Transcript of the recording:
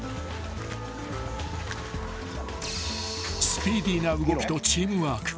［スピーディーな動きとチームワーク］